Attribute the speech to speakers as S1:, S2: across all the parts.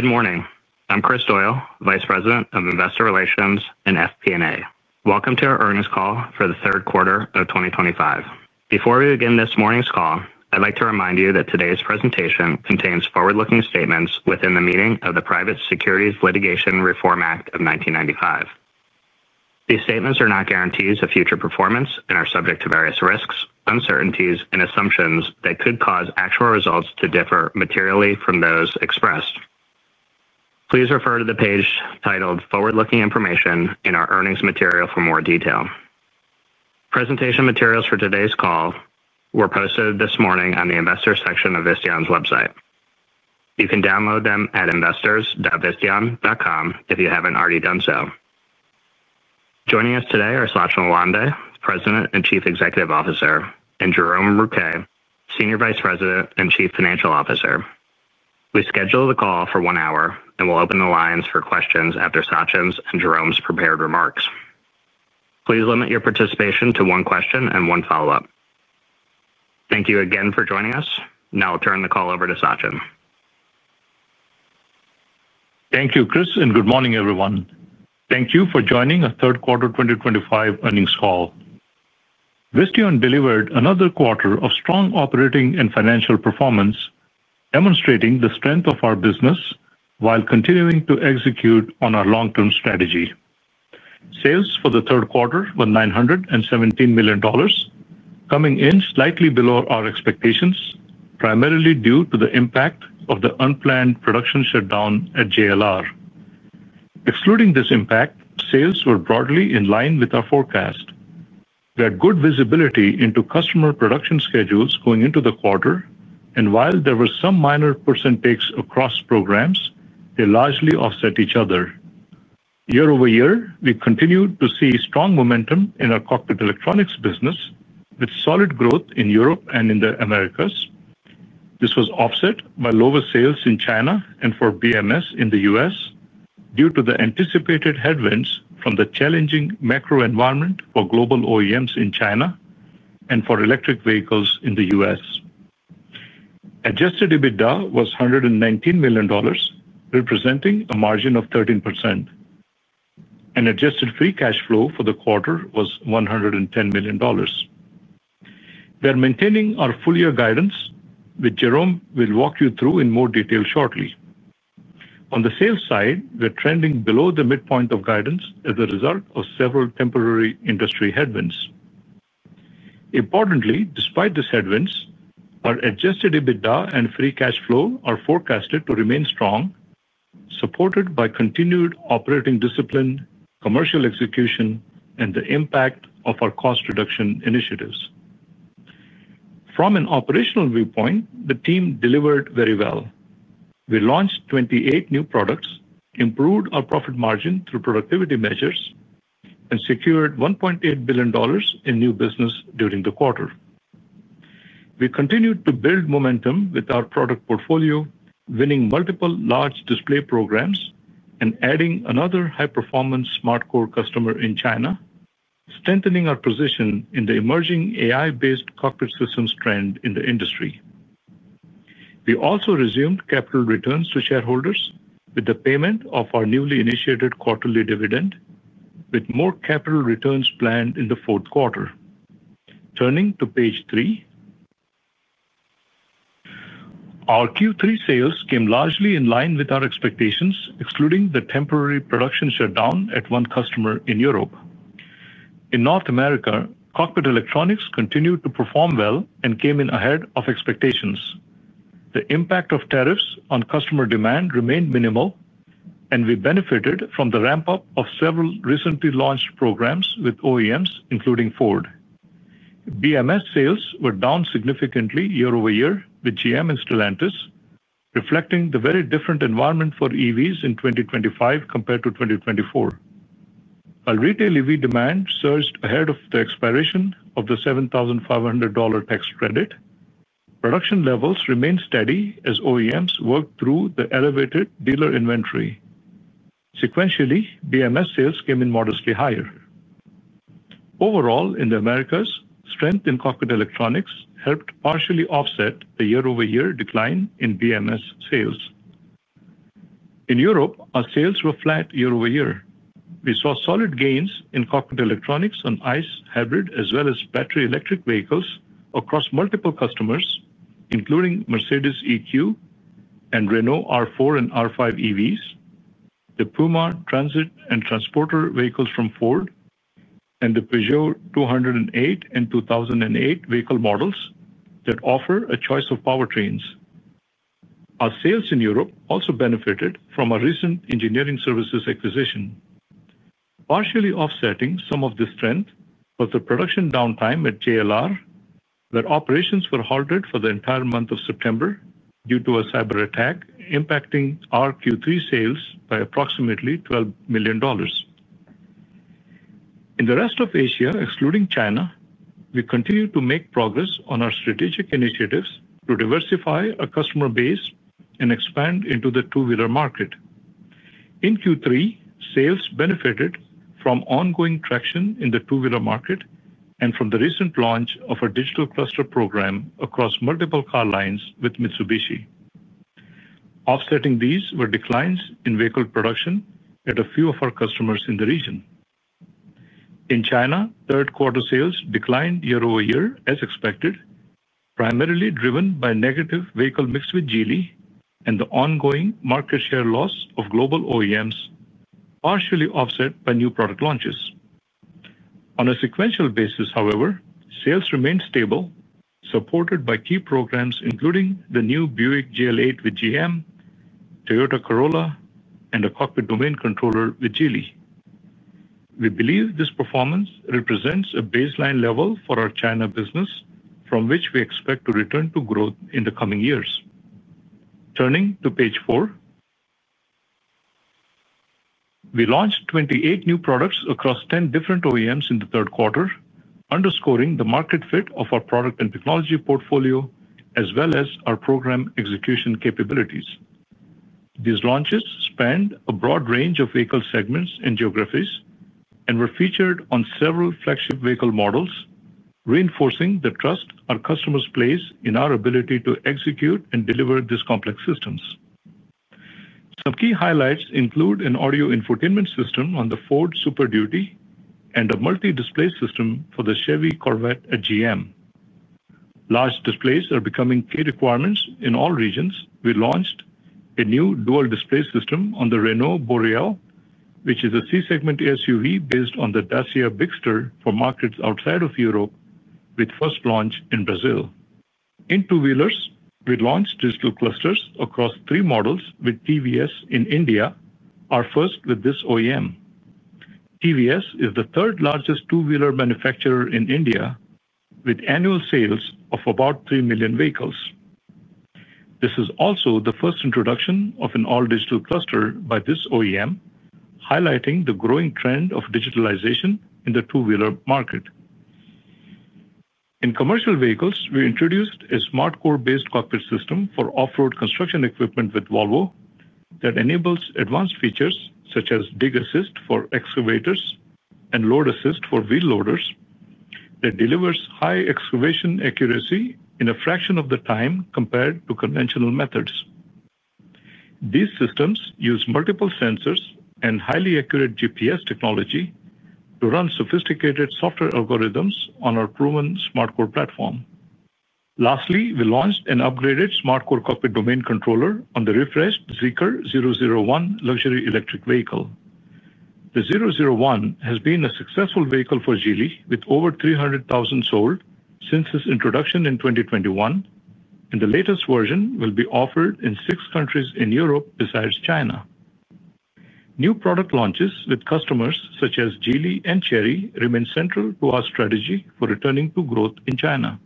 S1: Good morning. I'm Kris Doyle, Vice President of Investor Relations and FP&A. Welcome to our earnings call for the third quarter of 2025. Before we begin this morning's call, I'd like to remind you that today's presentation contains forward-looking statements within the meaning of the Private Securities Litigation Reform Act of 1995. These statements are not guarantees of future performance and are subject to various risks, uncertainties, and assumptions that could cause actual results to differ materially from those expressed. Please refer to the page titled "Forward-Looking Information" in our earnings material for more detail. Presentation materials for today's call were posted this morning on the Investors section of Visteon's website. You can download them at investors.visteon.com if you haven't already done so. Joining us today are Sachin Lawande, President and Chief Executive Officer, and Jerome Rouquet, Senior Vice President and Chief Financial Officer. We scheduled the call for one hour and will open the lines for questions after Sachin's and Jerome's prepared remarks. Please limit your participation to one question and one follow-up. Thank you again for joining us. Now I'll turn the call over to Sachin.
S2: Thank you, Kris, and good morning, everyone. Thank you for joining our third quarter 2025 earnings call. Visteon delivered another quarter of strong operating and financial performance, demonstrating the strength of our business while continuing to execute on our long-term strategy. Sales for the third quarter were $917 million, coming in slightly below our expectations, primarily due to the impact of the unplanned production shutdown at JLR. Excluding this impact, sales were broadly in line with our forecast. We had good visibility into customer production schedules going into the quarter, and while there were some minor percentages takes across programs, they largely offset each other. Year-over-year, we continued to see strong momentum in our cockpit electronics business, with solid growth in Europe and in the Americas. This was offset by lower sales in China and for BMS in the U.S., due to the anticipated headwinds from the challenging macro environment for global OEMs in China and for electric vehicles in the U.S. Adjusted EBITDA was $119 million, representing a margin of 13%. Adjusted free cash flow for the quarter was $110 million. We are maintaining our full-year guidance, which Jerome will walk you through in more detail shortly. On the sales side, we are trending below the midpoint of guidance as a result of several temporary industry headwinds. Importantly, despite these headwinds, our adjusted EBITDA and free cash flow are forecasted to remain strong, supported by continued operating discipline, commercial execution, and the impact of our cost reduction initiatives. From an operational viewpoint, the team delivered very well. We launched 28 new products, improved our profit margin through productivity measures, and secured $1.8 billion in new business during the quarter. We continued to build momentum with our product portfolio, winning multiple large display programs and adding another high-performance SmartCore customer in China, strengthening our position in the emerging AI-enabled cockpit systems trend in the industry. We also resumed capital returns to shareholders with the payment of our newly initiated quarterly dividend, with more capital returns planned in the fourth quarter. Turning to page three, our Q3 sales came largely in line with our expectations, excluding the temporary production shutdown at one customer in Europe. In North America, cockpit electronics continued to perform well and came in ahead of expectations. The impact of tariffs on customer demand remained minimal, and we benefited from the ramp-up of several recently launched programs with OEMs, including Ford. BMS sales were down significantly year-over-year with GM and Stellantis, reflecting the very different environment for EVs in 2025 compared to 2024. While retail EV demand surged ahead of the expiration of the $7,500 tax credit, production levels remained steady as OEMs worked through the elevated dealer inventory. Sequentially, BMS sales came in modestly higher. Overall, in the Americas, strength in cockpit electronics helped partially offset the year-over-year decline in BMS sales. In Europe, our sales were flat year-over-year. We saw solid gains in cockpit electronics on ICE hybrid as well as battery electric vehicles across multiple customers, including Mercedes EQ and Renault R4 and R5 EVs, the Puma Transit and Transporter vehicles from Ford, and the Peugeot 208 and 2008 vehicle models that offer a choice of powertrains. Our sales in Europe also benefited from a recent engineering services acquisition, partially offsetting some of the strength of the production downtime at JLR, where operations were halted for the entire month of September due to a cyber attack impacting our Q3 sales by approximately $12 million. In the rest of Asia, excluding China, we continue to make progress on our strategic initiatives to diversify our customer base and expand into the two-wheeler market. In Q3, sales benefited from ongoing traction in the two-wheeler market and from the recent launch of a digital cluster program across multiple car lines with Mitsubishi. Offsetting these were declines in vehicle production at a few of our customers in the region. In China, third-quarter sales declined year over year as expected, primarily driven by negative vehicle mix with Geely and the ongoing market share loss of global OEMs, partially offset by new product launches. On a sequential basis, however, sales remained stable, supported by key programs including the new Buick GL8 with GM, Toyota Corolla, and a cockpit domain controller with Geely. We believe this performance represents a baseline level for our China business, from which we expect to return to growth in the coming years. Turning to page four, we launched 28 new products across 10 different OEMs in the third quarter, underscoring the market fit of our product and technology portfolio as well as our program execution capabilities. These launches spanned a broad range of vehicle segments and geographies and were featured on several flagship vehicle models, reinforcing the trust our customers place in our ability to execute and deliver these complex systems. Some key highlights include an audio infotainment system on the Ford Super Duty and a multi-display system for the Chevy Corvette at GM. Large displays are becoming key requirements in all regions. We launched a new dual display system on the Renault Boreal, which is a C-segment SUV based on the Dacia Bigster for markets outside of Europe, with first launch in Brazil. In two wheelers, we launched digital clusters across three models with TVS in India, our first with this OEM. TVS is the third largest two-wheeler manufacturer in India, with annual sales of about 3 million vehicles. This is also the first introduction of an all-digital cluster by this OEM, highlighting the growing trend of digitalization in the two-wheeler market. In commercial vehicles, we introduced a SmartCore-based cockpit system for off-road construction equipment with Volvo that enables advanced features such as Dig Assist for excavators and Load Assist for wheel loaders. It delivers high excavation accuracy in a fraction of the time compared to conventional methods. These systems use multiple sensors and highly accurate GPS technology to run sophisticated software algorithms on our proven SmartCore platform. Lastly, we launched an upgraded SmartCore cockpit domain controller on the refreshed Zeekr 001 luxury electric vehicle. The 001 has been a successful vehicle for Geely, with over 300,000 sold since its introduction in 2021, and the latest version will be offered in six countries in Europe besides China. New product launches with customers such as Geely and Chery remain central to our strategy for returning to growth in China.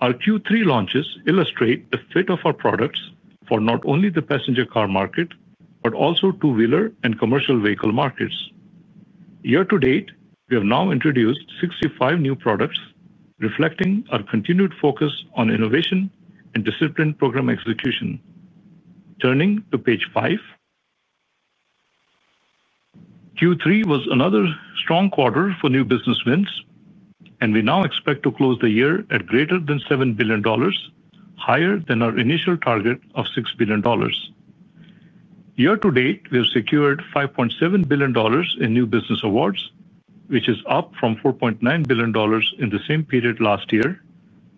S2: Our Q3 launches illustrate the fit of our products for not only the passenger car market but also two-wheeler and commercial vehicle markets. Year-to-date, we have now introduced 65 new products, reflecting our continued focus on innovation and disciplined program execution. Turning to page five, Q3 was another strong quarter for new business wins, and we now expect to close the year at greater than $7 billion, higher than our initial target of $6 billion. Year-to-date, we have secured $5.7 billion in new business awards, which is up from $4.9 billion in the same period last year,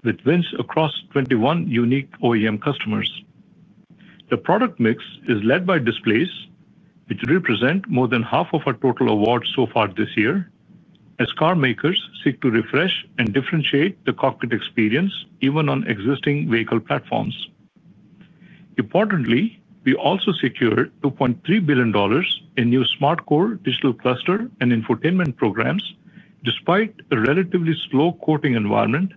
S2: with wins across 21 unique OEM customers. The product mix is led by displays, which represent more than half of our total awards so far this year, as car makers seek to refresh and differentiate the cockpit experience even on existing vehicle platforms. Importantly, we also secured $2.3 billion in new SmartCore digital cluster and infotainment programs, despite a relatively slow quoting environment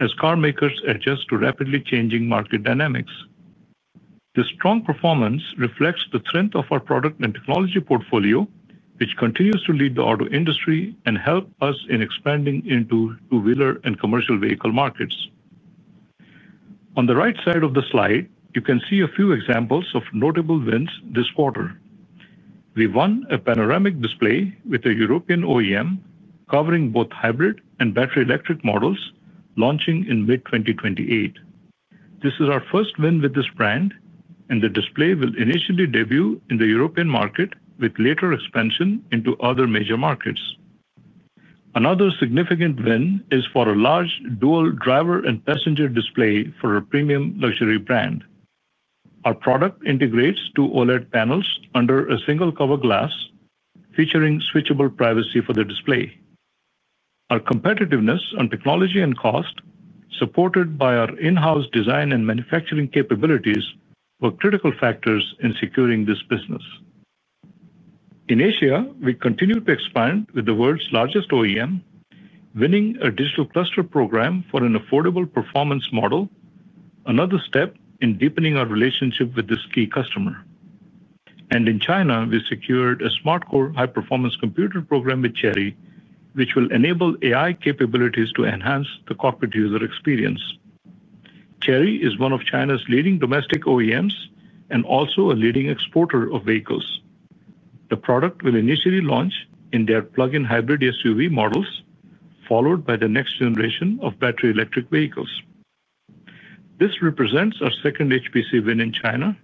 S2: as car makers adjust to rapidly changing market dynamics. This strong performance reflects the strength of our product and technology portfolio, which continues to lead the auto industry and help us in expanding into two-wheeler and commercial vehicle markets. On the right side of the slide, you can see a few examples of notable wins this quarter. We won a panoramic display with a European OEM covering both hybrid and battery electric models launching in mid-2028. This is our first win with this brand, and the display will initially debut in the European market, with later expansion into other major markets. Another significant win is for a large dual driver and passenger display for a premium luxury brand. Our product integrates two OLED panels under a single cover glass, featuring switchable privacy for the display. Our competitiveness on technology and cost, supported by our in-house design and manufacturing capabilities, were critical factors in securing this business. In Asia, we continue to expand with the world's largest OEM, winning a digital cluster program for an affordable performance model, another step in deepening our relationship with this key customer. In China, we secured a SmartCore high-performance computer program with Chery, which will enable AI capabilities to enhance the cockpit user experience. Chery is one of China's leading domestic OEMs and also a leading exporter of vehicles. The product will initially launch in their plug-in hybrid SUV models, followed by the next generation of battery electric vehicles. This represents our second HPC win in China.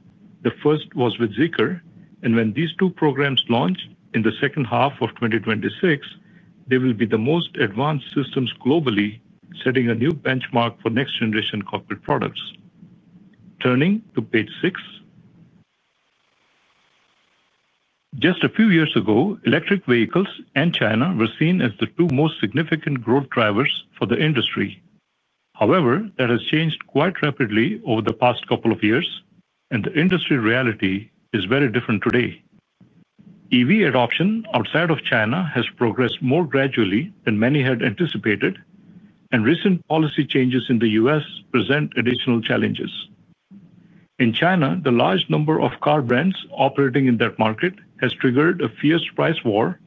S2: The first was with Zeekr, and when these two programs launch in the second half of 2026, they will be the most advanced systems globally, setting a new benchmark for next-generation cockpit products. Turning to page six, just a few years ago, electric vehicles and China were seen as the two most significant growth drivers for the industry. However, that has changed quite rapidly over the past couple of years, and the industry reality is very different today. EV adoption outside of China has progressed more gradually than many had anticipated, and recent policy changes in the U.S. present additional challenges. In China, the large number of car brands operating in that market has triggered a fierce price war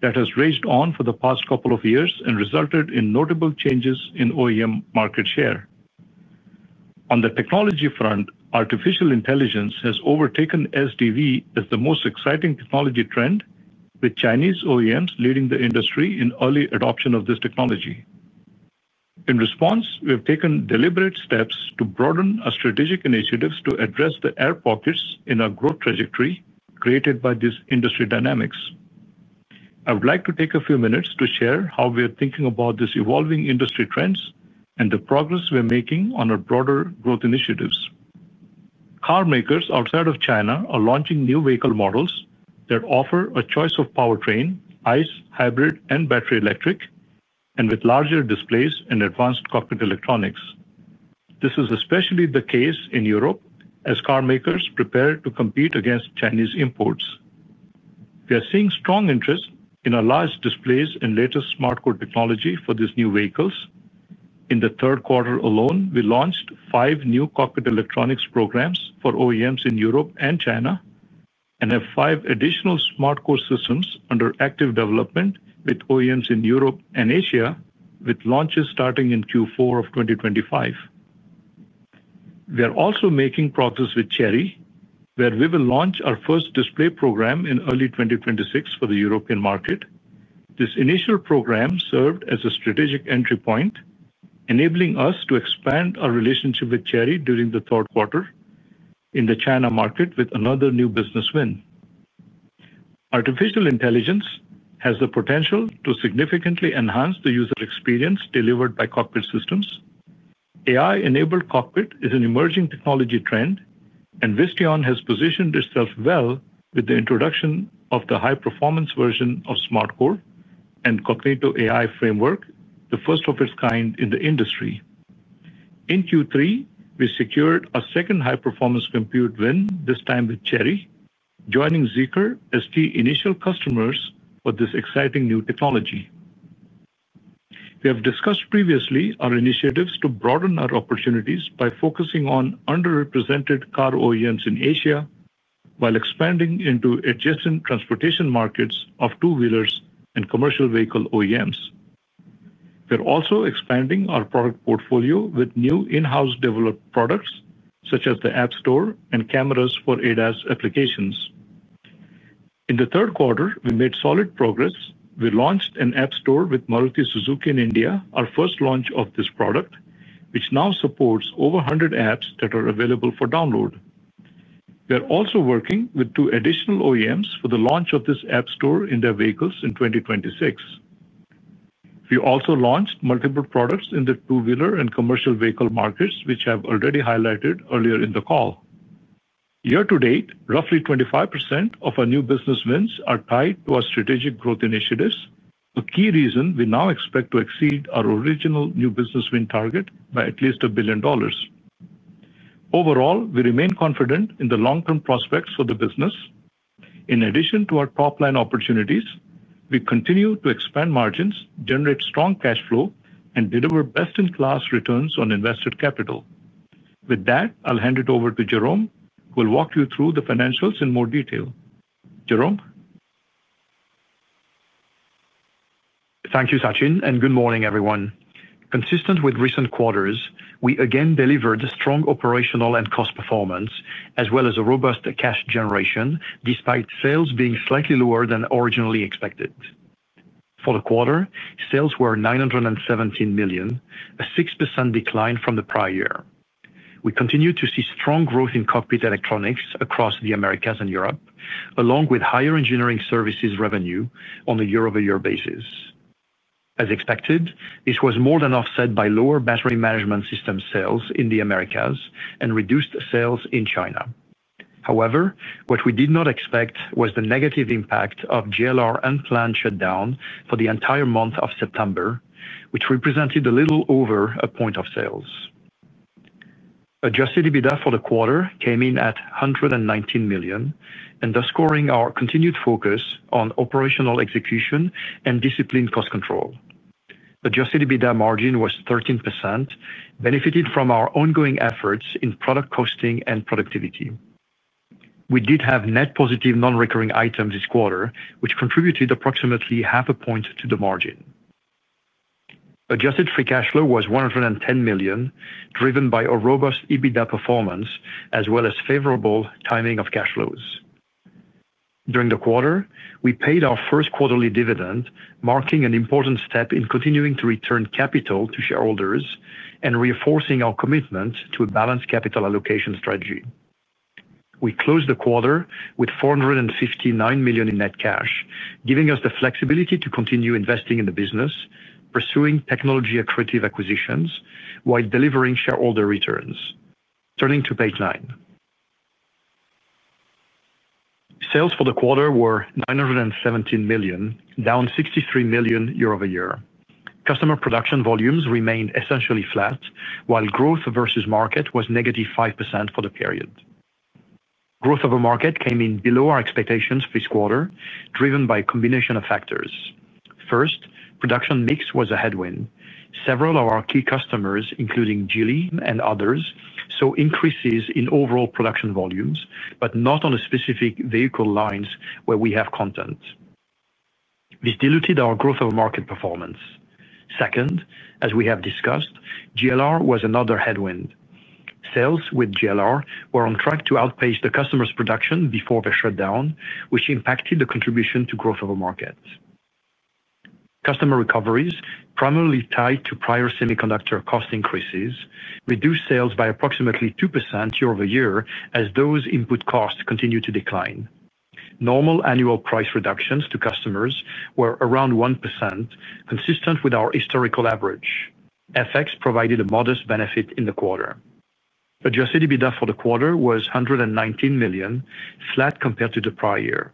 S2: that has raged on for the past couple of years and resulted in notable changes in OEM market share. On the technology front, artificial intelligence has overtaken SDV as the most exciting technology trend, with Chinese OEMs leading the industry in early adoption of this technology. In response, we have taken deliberate steps to broaden our strategic initiatives to address the air pockets in our growth trajectory created by these industry dynamics. I would like to take a few minutes to share how we are thinking about these evolving industry trends and the progress we are making on our broader growth initiatives. Car makers outside of China are launching new vehicle models that offer a choice of powertrain: ICE, hybrid, and battery electric, and with larger displays and advanced cockpit electronics. This is especially the case in Europe as car makers prepare to compete against Chinese imports. We are seeing strong interest in our large displays and latest SmartCore technology for these new vehicles. In the third quarter alone, we launched five new cockpit electronics programs for OEMs in Europe and China and have five additional SmartCore systems under active development with OEMs in Europe and Asia, with launches starting in Q4 of 2025. We are also making progress with Chery, where we will launch our first display program in early 2026 for the European market. This initial program served as a strategic entry point, enabling us to expand our relationship with Chery during the third quarter in the China market with another new business win. Artificial intelligence has the potential to significantly enhance the user experience delivered by cockpit systems. AI-enabled cockpit is an emerging technology trend, and Visteon has positioned itself well with the introduction of the high-performance version of SmartCore and Cognito AI framework, the first of its kind in the industry. In Q3, we secured a second high-performance compute win, this time with Chery, joining Zeekr as key initial customers for this exciting new technology. We have discussed previously our initiatives to broaden our opportunities by focusing on underrepresented car OEMs in Asia, while expanding into adjacent transportation markets of two-wheelers and commercial vehicle OEMs. We are also expanding our product portfolio with new in-house developed products such as the app store and cameras for ADAS applications. In the third quarter, we made solid progress. We launched an app store with Maruti Suzuki in India, our first launch of this product, which now supports over 100 apps that are available for download. We are also working with two additional OEMs for the launch of this app store in their vehicles in 2026. We also launched multiple products in the two-wheeler and commercial vehicle markets, which I have already highlighted earlier in the call. Year-to-date, roughly 25% of our new business wins are tied to our strategic growth initiatives, a key reason we now expect to exceed our original new business win target by at least $1 billion. Overall, we remain confident in the long-term prospects for the business. In addition to our top-line opportunities, we continue to expand margins, generate strong cash flow, and deliver best-in-class returns on invested capital. With that, I'll hand it over to Jerome, who will walk you through the financials in more detail. Jerome?
S3: Thank you, Sachin, and good morning, everyone. Consistent with recent quarters, we again delivered strong operational and cost performance, as well as robust cash generation, despite sales being slightly lower than originally expected. For the quarter, sales were $917 million, a 6% decline from the prior year. We continue to see strong growth in cockpit electronics across the Americas and Europe, along with higher engineering services revenue on a year-over-year basis. As expected, this was more than offset by lower battery management system sales in the Americas and reduced sales in China. However, what we did not expect was the negative impact of JLR unplanned shutdown for the entire month of September, which represented a little over a point of sales. Adjusted EBITDA for the quarter came in at $119 million, underscoring our continued focus on operational execution and disciplined cost control. Adjusted EBITDA margin was 13%, benefiting from our ongoing efforts in product costing and productivity. We did have net positive non-recurring items this quarter, which contributed approximately half a point to the margin. Adjusted free cash flow was $110 million, driven by robust EBITDA performance, as well as favorable timing of cash flows. During the quarter, we paid our first quarterly dividend, marking an important step in continuing to return capital to shareholders and reinforcing our commitment to a balanced capital allocation strategy. We closed the quarter with $459 million in net cash, giving us the flexibility to continue investing in the business, pursuing technology acquisitions, while delivering shareholder returns. Turning to page nine, sales for the quarter were $917 million, down $63 million year-over-year. Customer production volumes remained essentially flat, while growth versus market was -5% for the period. Growth over market came in below our expectations for this quarter, driven by a combination of factors. First, production mix was a headwind. Several of our key customers, including Geely and others, saw increases in overall production volumes, but not on the specific vehicle lines where we have content. This diluted our growth over market performance. Second, as we have discussed, JLR was another headwind. Sales with JLR were on track to outpace the customer's production before the shutdown, which impacted the contribution to growth over market. Customer recoveries, primarily tied to prior semiconductor cost increases, reduced sales by approximately 2% year-over-year as those input costs continue to decline. Normal annual price reductions to customers were around 1%, consistent with our historical average. FX provided a modest benefit in the quarter. Adjusted EBITDA for the quarter was $119 million, flat compared to the prior year.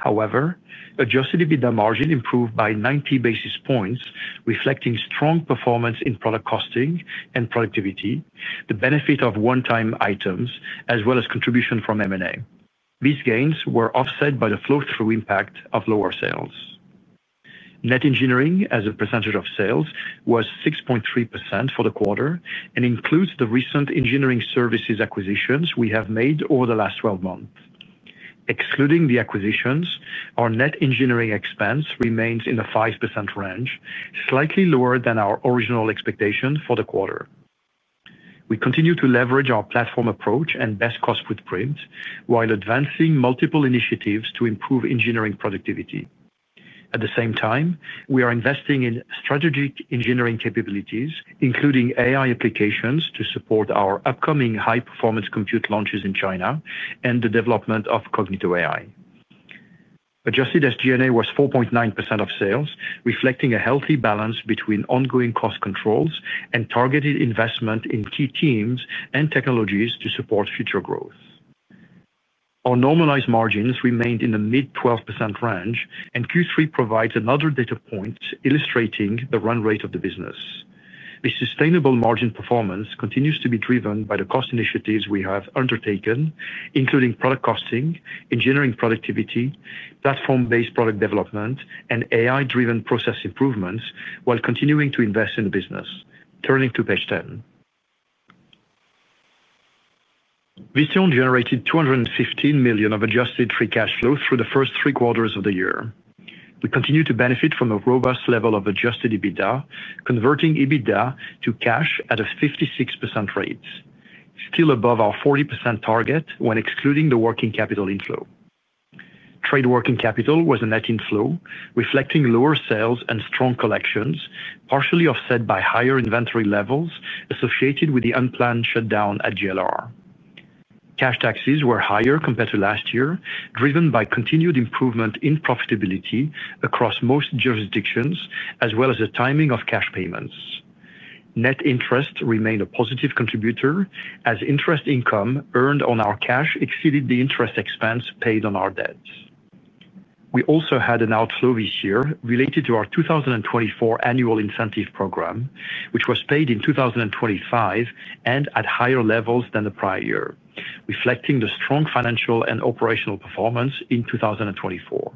S3: However, adjusted EBITDA margin improved by 90 basis points, reflecting strong performance in product costing and productivity, the benefit of one-time items, as well as contribution from M&A. These gains were offset by the flow-through impact of lower sales. Net engineering, as a percentage of sales, was 6.3% for the quarter and includes the recent engineering services acquisitions we have made over the last 12 months. Excluding the acquisitions, our net engineering expense remains in the 5% range, slightly lower than our original expectation for the quarter. We continue to leverage our platform approach and best cost footprint, while advancing multiple initiatives to improve engineering productivity. At the same time, we are investing in strategic engineering capabilities, including AI applications to support our upcoming high-performance compute launches in China and the development of Cognito AI. Adjusted SG&A was 4.9% of sales, reflecting a healthy balance between ongoing cost controls and targeted investment in key teams and technologies to support future growth. Our normalized margins remained in the mid-12% range, and Q3 provides another data point illustrating the run rate of the business. This sustainable margin performance continues to be driven by the cost initiatives we have undertaken, including product costing, engineering productivity, platform-based product development, and AI-driven process improvements, while continuing to invest in the business. Turning to page 10, Visteon generated $215 million of adjusted free cash flow through the first 3/4 of the year. We continue to benefit from a robust level of adjusted EBITDA, converting EBITDA to cash at a 56% rate, still above our 40% target when excluding the working capital inflow. Trade working capital was a net inflow, reflecting lower sales and strong collections, partially offset by higher inventory levels associated with the unplanned shutdown at JLR. Cash taxes were higher compared to last year, driven by continued improvement in profitability across most jurisdictions, as well as the timing of cash payments. Net interest remained a positive contributor, as interest income earned on our cash exceeded the interest expense paid on our debts. We also had an outflow this year related to our 2024 annual incentive program, which was paid in 2025 and at higher levels than the prior year, reflecting the strong financial and operational performance in 2024.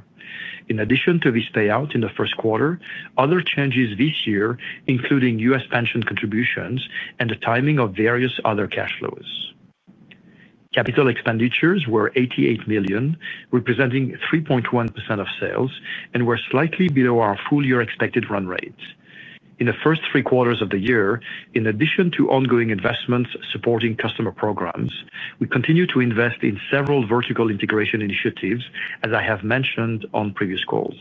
S3: In addition to this payout in the first quarter, other changes this year included U.S. pension contributions and the timing of various other cash flows. Capital expenditures were $88 million, representing 3.1% of sales, and were slightly below our full-year expected run rate. In the first three quarters of the year, in addition to ongoing investments supporting customer programs, we continue to invest in several vertical integration initiatives, as I have mentioned on previous calls.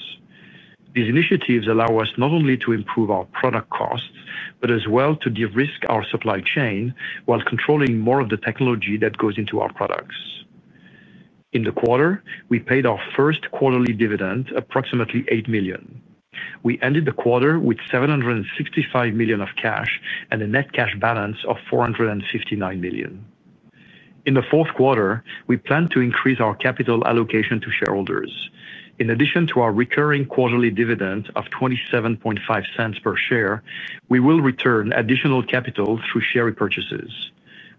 S3: These initiatives allow us not only to improve our product costs, but as well to de-risk our supply chain while controlling more of the technology that goes into our products. In the quarter, we paid our first quarterly dividend, approximately $8 million. We ended the quarter with $765 million of cash and a net cash balance of $459 million. In the fourth quarter, we plan to increase our capital allocation to shareholders. In addition to our recurring quarterly dividend of $0.275 per share, we will return additional capital through share repurchases.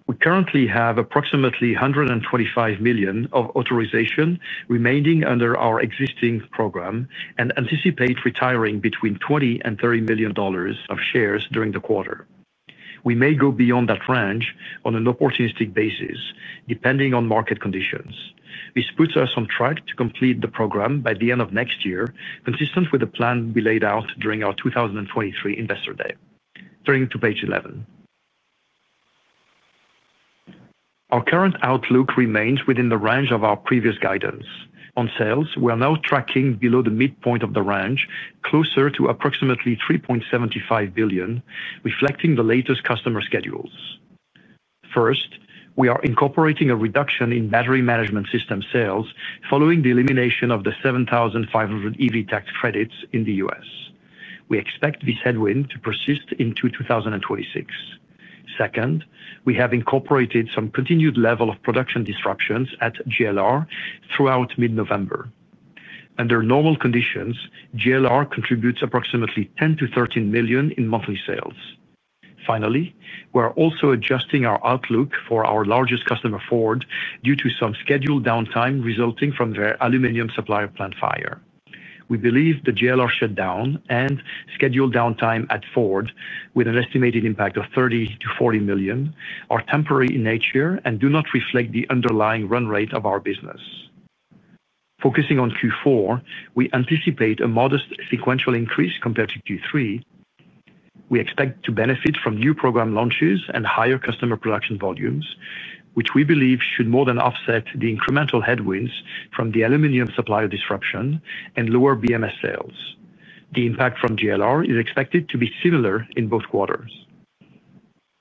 S3: We currently have approximately $125 million of authorization remaining under our existing program and anticipate retiring between $20 million and $30 million of shares during the quarter. We may go beyond that range on an opportunistic basis, depending on market conditions. This puts us on track to complete the program by the end of next year, consistent with the plan we laid out during our 2023 Investor Day. Turning to page 11, our current outlook remains within the range of our previous guidance. On sales, we are now tracking below the midpoint of the range, closer to approximately $3.75 billion, reflecting the latest customer schedules. First, we are incorporating a reduction in battery management system sales following the elimination of the $7,500 EV tax credits in the U.S. We expect this headwind to persist into 2026. Second, we have incorporated some continued level of production disruptions at JLR throughout mid-November. Under normal conditions, JLR contributes approximately $10 million-$13 million in monthly sales. Finally, we are also adjusting our outlook for our largest customer, Ford, due to some scheduled downtime resulting from their aluminum supply plant fire. We believe the JLR shutdown and scheduled downtime at Ford, with an estimated impact of $30 million-$40 million, are temporary in nature and do not reflect the underlying run rate of our business. Focusing on Q4, we anticipate a modest sequential increase compared to Q3. We expect to benefit from new program launches and higher customer production volumes, which we believe should more than offset the incremental headwinds from the aluminum supply disruption and lower BMS sales. The impact from JLR is expected to be similar in both quarters.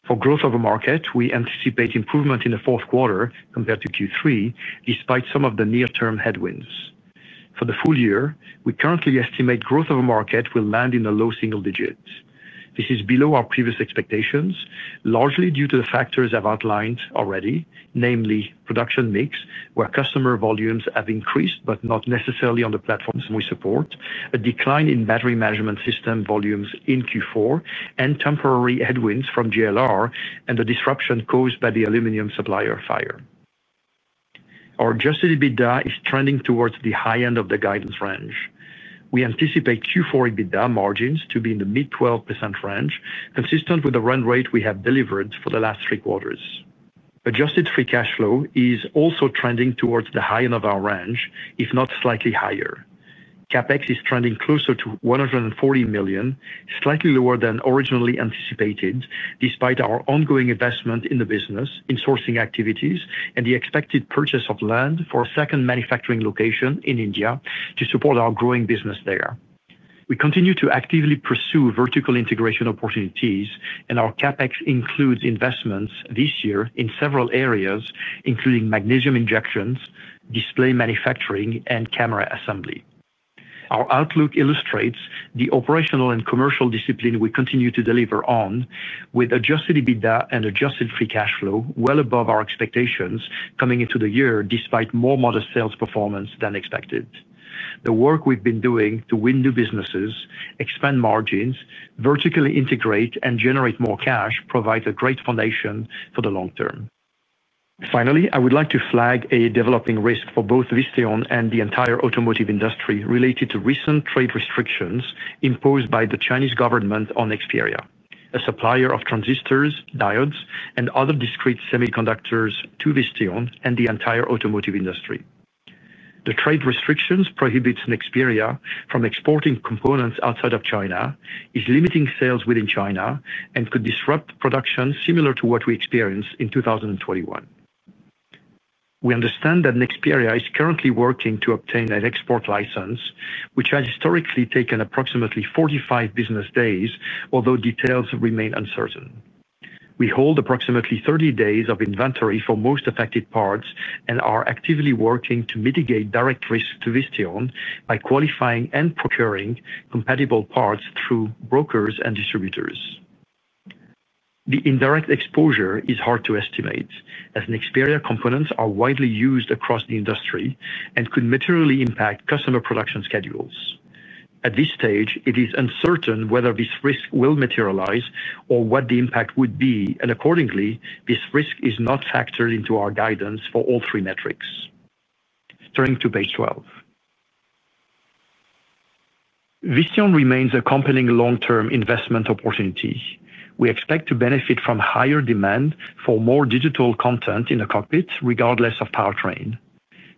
S3: For growth over market, we anticipate improvement in the fourth quarter compared to Q3, despite some of the near-term headwinds. For the full year, we currently estimate growth over market will land in the low single digits. This is below our previous expectations, largely due to the factors I've outlined already, namely production mix, where customer volumes have increased but not necessarily on the platforms we support, a decline in battery management system volumes in Q4, and temporary headwinds from JLR and the disruption caused by the aluminum supplier fire. Our adjusted EBITDA is trending towards the high end of the guidance range. We anticipate Q4 EBITDA margins to be in the mid-12% range, consistent with the run rate we have delivered for the last three quarters. Adjusted free cash flow is also trending towards the high end of our range, if not slightly higher. CapEx is trending closer to $140 million, slightly lower than originally anticipated, despite our ongoing investment in the business, in sourcing activities, and the expected purchase of land for a second manufacturing location in India to support our growing business there. We continue to actively pursue vertical integration opportunities, and our CapEx includes investments this year in several areas, including magnesium injections, display manufacturing, and camera assembly. Our outlook illustrates the operational and commercial discipline we continue to deliver on, with adjusted EBITDA and adjusted free cash flow well above our expectations coming into the year, despite more modest sales performance than expected. The work we've been doing to win new business, expand margins, vertically integrate, and generate more cash provides a great foundation for the long-term. Finally, I would like to flag a developing risk for both Visteon and the entire automotive industry related to recent trade restrictions imposed by the Chinese government on Nexperia, a supplier of transistors, diodes, and other discrete semiconductors to Visteon and the entire automotive industry. The trade restrictions prohibit Nexperia from exporting components outside of China, limit sales within China, and could disrupt production similar to what we experienced in 2021. We understand that Nexperia is currently working to obtain an export license, which has historically taken approximately 45 business days, although details remain uncertain. We hold approximately 30 days of inventory for most affected parts and are actively working to mitigate direct risks to Visteon by qualifying and procuring compatible parts through brokers and distributors. The indirect exposure is hard to estimate, as Nexperia components are widely used across the industry and could materially impact customer production schedules. At this stage, it is uncertain whether this risk will materialize or what the impact would be, and accordingly, this risk is not factored into our guidance for all three metrics. Turning to page 12, Visteon remains a compelling long-term investment opportunity. We expect to benefit from higher demand for more digital content in the cockpit, regardless of powertrain.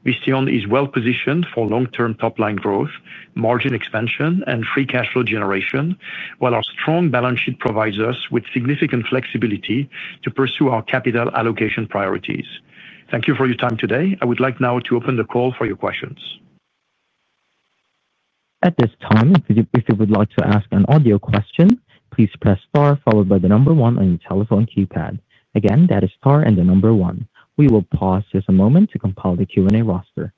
S3: Visteon is well-positioned for long-term top-line growth, margin expansion, and free cash flow generation, while our strong balance sheet provides us with significant flexibility to pursue our capital allocation priorities. Thank you for your time today. I would like now to open the call for your questions.
S4: At this time, if you would like to ask an audio question, please press star followed by the number one on your telephone keypad. Again, that is star and the number one. We will pause just a moment to compile the Q&A roster.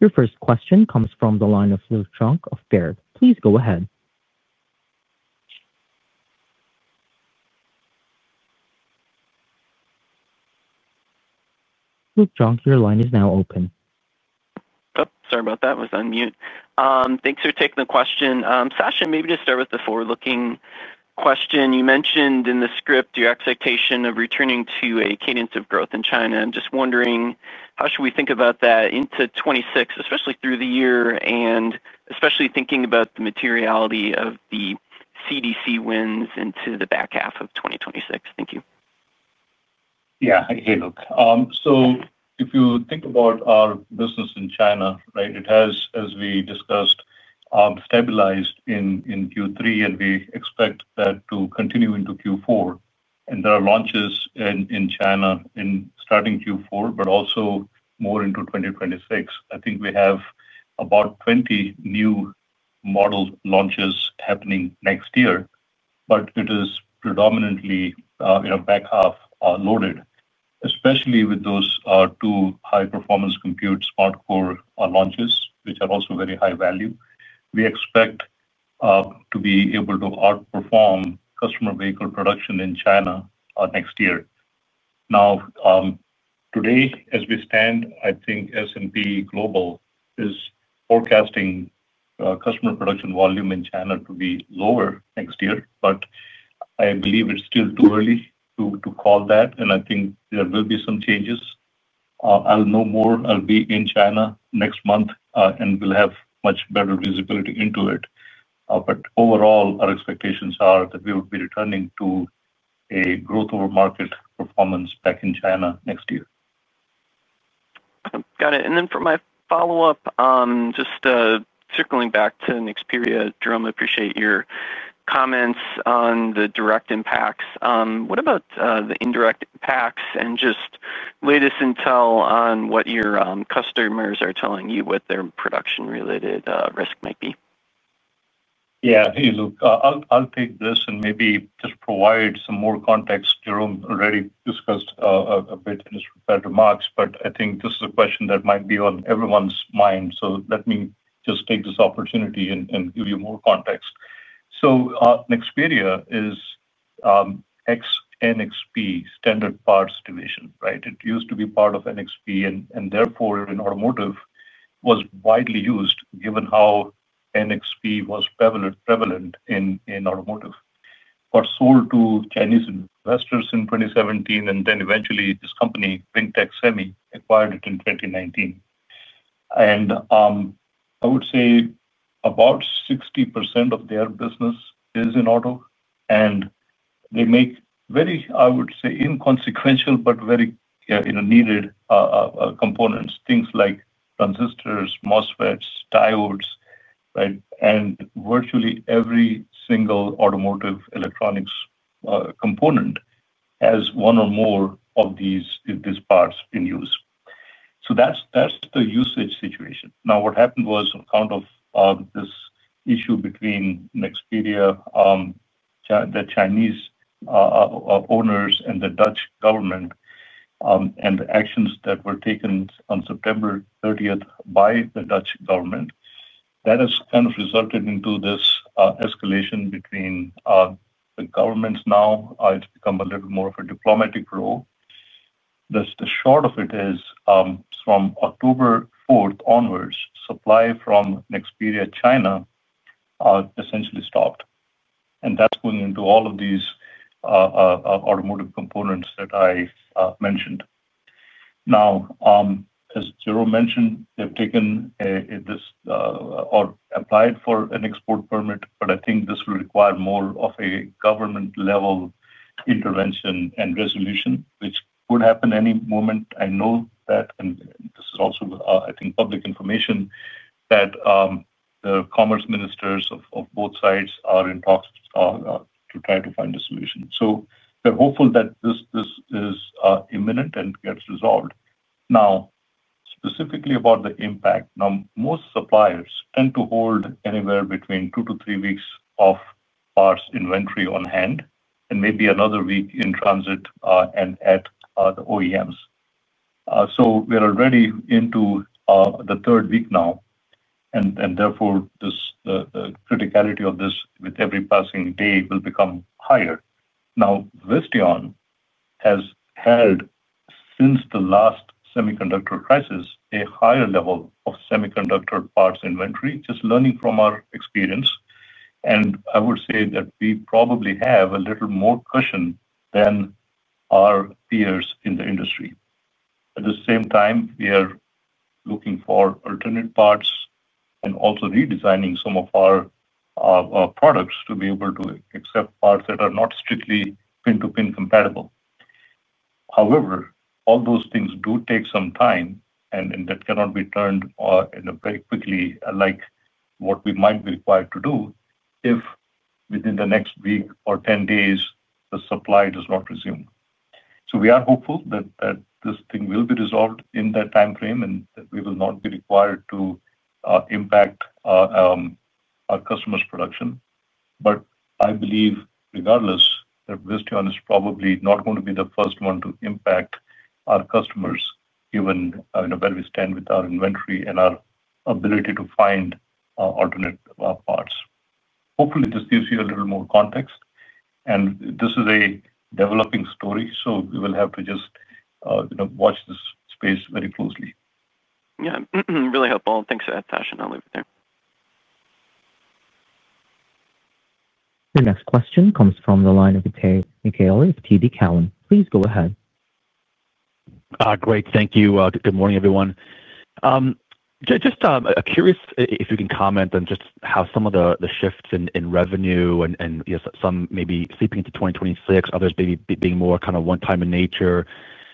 S4: Your first question comes from the line of Luke Junk of Baird. Please go ahead. Luke Junk, your line is now open.
S5: Sorry about that. I was on mute. Thanks for taking the question. Sachin, maybe to start with the forward-looking question, you mentioned in the script your expectation of returning to a cadence of growth in China. I'm just wondering, how should we think about that into 2026, especially through the year, and especially thinking about the materiality of the CDC wins into the back half of 2026? Thank you.
S2: Yeah. Hey, Luke. If you think about our business in China, it has, as we discussed, stabilized in Q3, and we expect that to continue into Q4. There are launches in China starting Q4, but also more into 2026. I think we have about 20 new model launches happening next year, but it is predominantly back half loaded, especially with those two high-performance compute SmartCore launches, which are also very high value. We expect to be able to outperform customer vehicle production in China next year. Now, today, as we stand, I think S&P Global is forecasting customer production volume in China to be lower next year, but I believe it's still too early to call that, and I think there will be some changes. I'll know more, I'll be in China next month, and we'll have much better visibility into it. Overall, our expectations are that we will be returning to a growth over market performance back in China next year.
S5: Got it. For my follow-up, just circling back to Nexperia, Jerome, I appreciate your comments on the direct impacts. What about the indirect impacts and just latest intel on what your customers are telling you what their production-related risk might be?
S2: Yeah. Hey, Luke. I'll take this and maybe just provide some more context. Jerome already discussed a bit in his prepared remarks, but I think this is a question that might be on everyone's mind. Let me just take this opportunity and give you more context. Nexperia is NXP Standard Parts Division, right? It used to be part of NXP, and therefore, in automotive, it was widely used given how NXP was prevalent in automotive. It was sold to Chinese investors in 2017, and then eventually this company, Wingtech Semi, acquired it in 2019. I would say about 60% of their business is in auto, and they make very, I would say, inconsequential but very needed components, things like transistors, MOSFETs, diodes, right? Virtually every single automotive electronics component has one or more of these parts in use. That's the usage situation. What happened was on account of this issue between Nexperia, the Chinese owners, and the Dutch government and the actions that were taken on September 30th by the Dutch government, that has kind of resulted in this escalation between the governments. Now, it's become a little more of a diplomatic role. The short of it is from October 4th onwards, supply from Nexperia China essentially stopped. That's going into all of these automotive components that I mentioned. As Jerome mentioned, they've taken this or applied for an export permit, but I think this will require more of a government-level intervention and resolution, which could happen any moment. I know that, and this is also, I think, public information that the commerce ministers of both sides are in talks to try to find a solution. They're hopeful that this is imminent and gets resolved. Specifically about the impact, most suppliers tend to hold anywhere between two to three weeks of parts inventory on hand and maybe another week in transit and at the OEMs. We're already into the third week now, and therefore, the criticality of this with every passing day will become higher. Visteon has had, since the last semiconductor crisis, a higher level of semiconductor parts inventory, just learning from our experience. I would say that we probably have a little more cushion than our peers in the industry. At the same time, we are looking for alternate parts and also redesigning some of our products to be able to accept parts that are not strictly pin-to-pin compatible. However, all those things do take some time, and that cannot be turned in very quickly like what we might be required to do if within the next week or 10 days the supply does not resume. We are hopeful that this thing will be resolved in that time frame and that we will not be required to impact our customers' production. I believe, regardless, that Visteon is probably not going to be the first one to impact our customers given where we stand with our inventory and our ability to find alternate parts. Hopefully, this gives you a little more context. This is a developing story, so we will have to just watch this space very closely.
S5: Yeah, really helpful. Thanks for that, Sachin. I'll leave it there.
S4: Your next question comes from the line of Mikhail of TD Cowen. Please go ahead. Great. Thank you. Good morning, everyone. Just curious if you can comment on just how some of the shifts in revenue and some maybe slipping into 2026, others maybe being more kind of one-time in nature,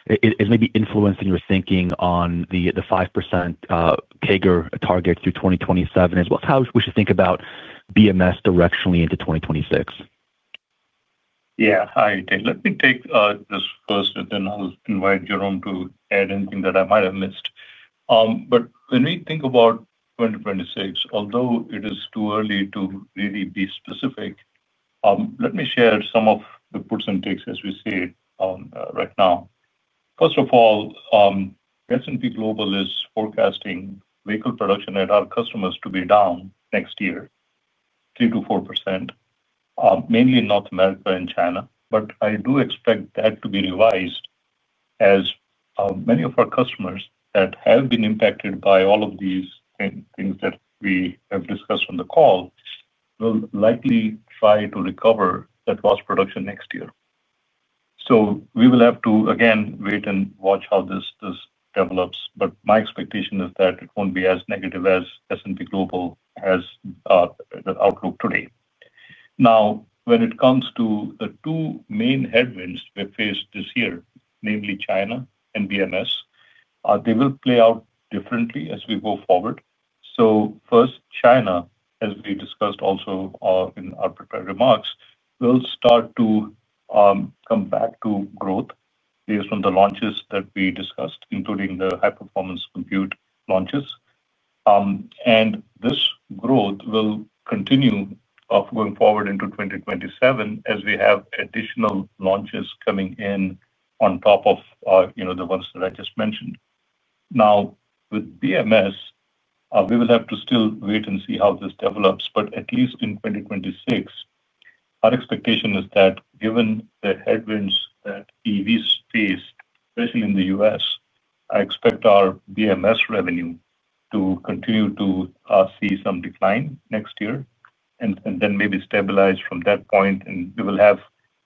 S4: is maybe influencing your thinking on the 5% CAGR target through 2027, as well as how we should think about BMS directionally into 2026.
S2: Yeah. Hi. Let me take this first, and then I'll invite Jerome to add anything that I might have missed. When we think about 2026, although it is too early to really be specific, let me share some of the puts and takes, as we see it right now. First of all, S&P Global is forecasting vehicle production at our customers to be down next year, 3 to 4%, mainly in North America and China. I do expect that to be revised as many of our customers that have been impacted by all of these things that we have discussed on the call will likely try to recover that lost production next year. We will have to, again, wait and watch how this develops. My expectation is that it won't be as negative as S&P Global has the outlook today. Now, when it comes to the two main headwinds we've faced this year, namely China and BMS, they will play out differently as we go forward. First, China, as we discussed also in our remarks, will start to come back to growth based on the launches that we discussed, including the high-performance compute launches. This growth will continue going forward into 2027 as we have additional launches coming in on top of the ones that I just mentioned. With BMS, we will have to still wait and see how this develops. At least in 2026, our expectation is that given the headwinds that EVs faced, especially in the U.S., I expect our BMS revenue to continue to see some decline next year and then maybe stabilize from that point. We will have,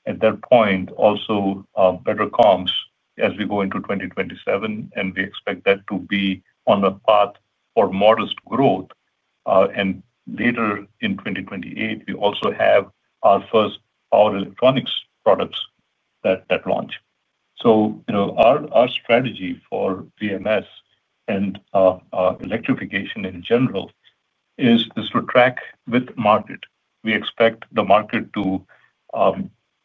S2: at that point, also better comps as we go into 2027, and we expect that to be on the path for modest growth. Later in 2028, we also have our first power electronics products that launch. Our strategy for BMS and electrification in general is to track with the market. We expect the market to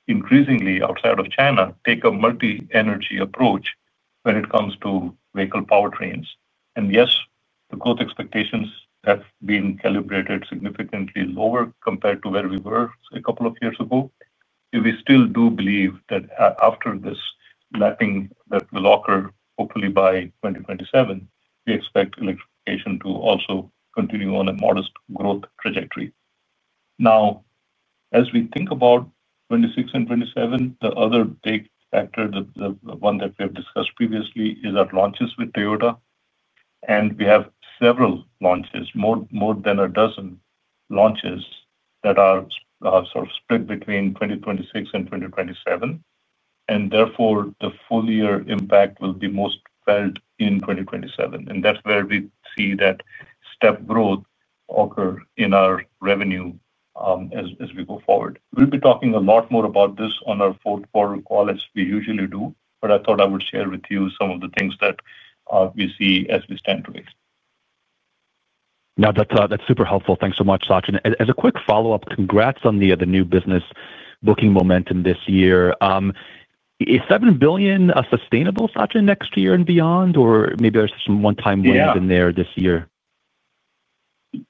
S2: increasingly, outside of China, take a multi-energy approach when it comes to vehicle powertrains. The growth expectations have been calibrated significantly lower compared to where we were a couple of years ago. We still do believe that after this lapping that will occur, hopefully by 2027, we expect electrification to also continue on a modest growth trajectory. As we think about 2026 and 2027, the other big factor, the one that we have discussed previously, is our launches with Toyota. We have several launches, more than a dozen launches that are sort of split between 2026 and 2027. Therefore, the full-year impact will be most felt in 2027. That is where we see that step growth occur in our revenue as we go forward. We will be talking a lot more about this on our fourth quarter call as we usually do, but I thought I would share with you some of the things that we see as we stand today. No, that's super helpful. Thanks so much, Sachin. As a quick follow-up, congrats on the new business booking momentum this year. Is $7 billion sustainable, Sachin, next year and beyond, or maybe there's some one-time wins in there this year?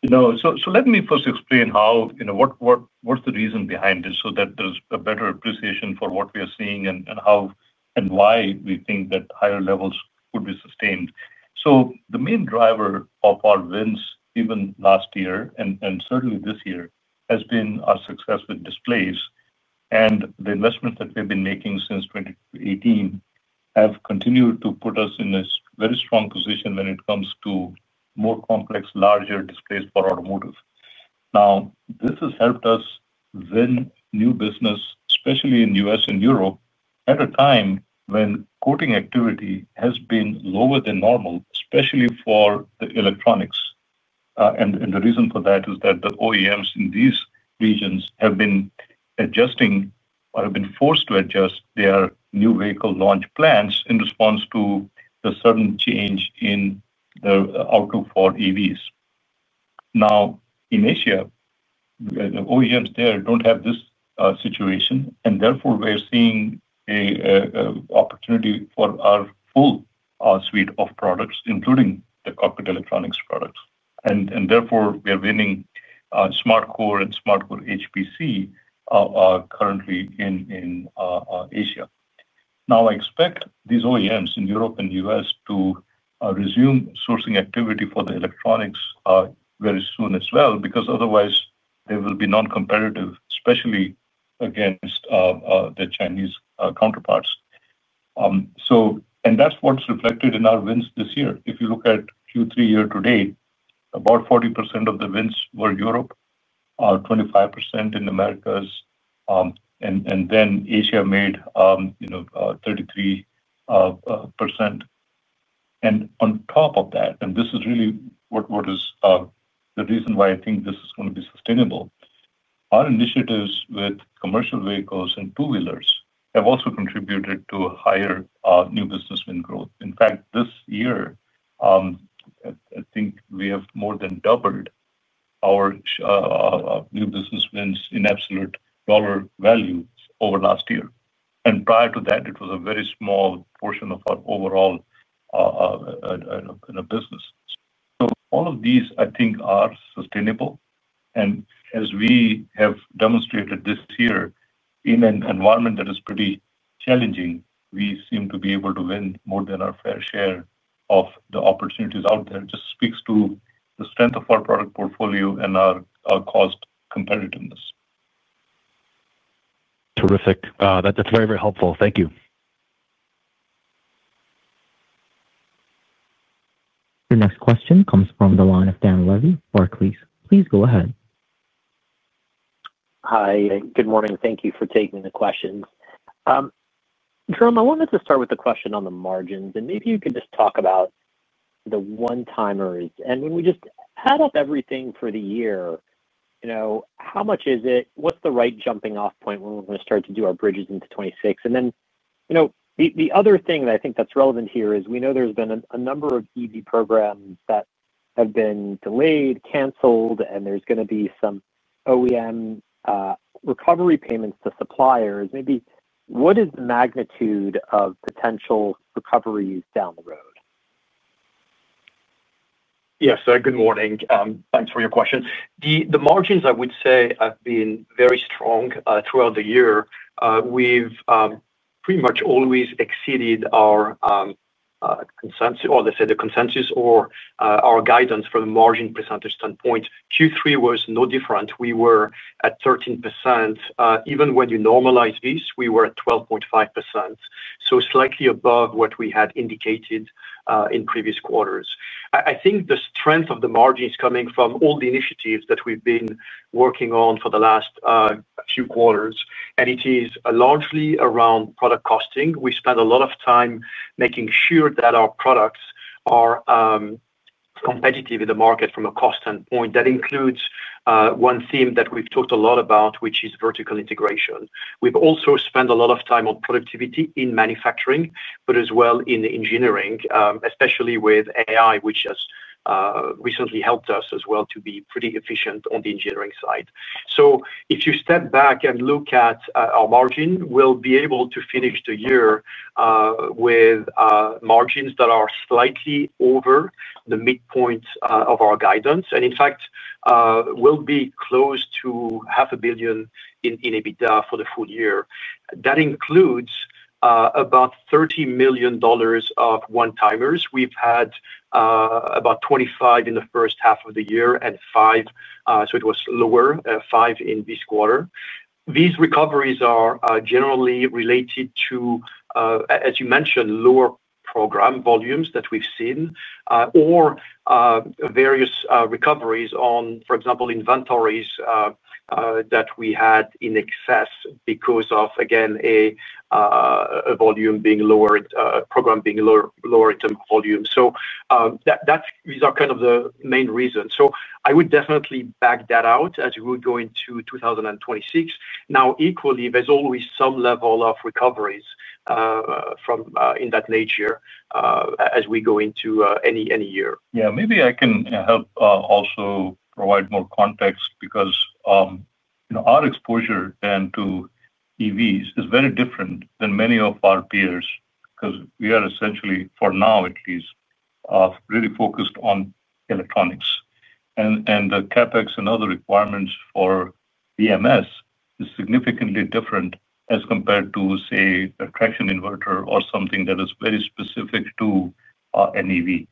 S2: No. Let me first explain how, you know, what's the reason behind it so that there's a better appreciation for what we are seeing and how and why we think that higher levels could be sustained. The main driver of our wins even last year and certainly this year has been our success with displays. The investments that we've been making since 2018 have continued to put us in a very strong position when it comes to more complex, larger displays for automotive. This has helped us win new business, especially in the U.S. and Europe, at a time when quoting activity has been lower than normal, especially for the electronics. The reason for that is that the OEMs in these regions have been adjusting or have been forced to adjust their new vehicle launch plans in response to the sudden change in their outlook for EVs. In Asia, the OEMs there don't have this situation, and therefore, we're seeing an opportunity for our full suite of products, including the cockpit electronics products. Therefore, we are winning SmartCore and SmartCore HPC currently in Asia. I expect these OEMs in Europe and the U.S. to resume sourcing activity for the electronics very soon as well, because otherwise, they will be non-competitive, especially against their Chinese counterparts. That's what's reflected in our wins this year. If you look at Q3 year-to-date, about 40% of the wins were Europe, 25% in the Americas, and then Asia made 33%. On top of that, and this is really what is the reason why I think this is going to be sustainable, our initiatives with commercial vehicles and two-wheelers have also contributed to higher new business win growth. In fact, this year, I think we have more than doubled our new business wins in absolute dollar value over last year. Prior to that, it was a very small portion of our overall business. All of these, I think, are sustainable. As we have demonstrated this year in an environment that is pretty challenging, we seem to be able to win more than our fair share of the opportunities out there. It just speaks to the strength of our product portfolio and our cost competitiveness. Terrific. That's very, very helpful. Thank you.
S4: Your next question comes from the line of Dan Levy of Barclays. Please go ahead.
S6: Hi. Good morning. Thank you for taking the questions. Jerome, I wanted to start with the question on the margins, and maybe you could just talk about the one-timers. When we just add up everything for the year, you know how much is it? What's the right jumping-off point when we're going to start to do our bridges into 2026? The other thing that I think that's relevant here is we know there's been a number of EV programs that have been delayed, canceled, and there's going to be some OEM recovery payments to suppliers. Maybe what is the magnitude of potential recoveries down the road?
S3: Yes. Good morning. Thanks for your question. The margins, I would say, have been very strong throughout the year. We've pretty much always exceeded our consensus, or let's say the consensus or our guidance from a margin percentage standpoint. Q3 was no different. We were at 13%. Even when you normalize this, we were at 12.5%, so slightly above what we had indicated in previous quarters. I think the strength of the margin is coming from all the initiatives that we've been working on for the last few quarters, and it is largely around product costing. We spend a lot of time making sure that our products are competitive in the market from a cost standpoint. That includes one theme that we've talked a lot about, which is vertical integration. We've also spent a lot of time on productivity in manufacturing, as well in engineering, especially with AI, which has recently helped us as well to be pretty efficient on the engineering side. If you step back and look at our margin, we'll be able to finish the year with margins that are slightly over the midpoint of our guidance. In fact, we'll be close to $500 million in EBITDA for the full year. That includes about $30 million of one-timers. We've had about $25 million in the first half of the year and $5 million, so it was lower, $5 million in this quarter. These recoveries are generally related to, as you mentioned, lower program volumes that we've seen or various recoveries on, for example, inventories that we had in excess because of, again, a volume being lowered, program being lowered in terms of volume. These are kind of the main reasons. I would definitely back that out as we go into 2026. Now, equally, there's always some level of recoveries in that nature as we go into any year.
S2: Yeah. Maybe I can help also provide more context because our exposure to EVs is very different than many of our peers because we are essentially, for now at least, really focused on electronics. The CapEx and other requirements for BMS is significantly different as compared to, say, a traction inverter or something that is very specific to an EV.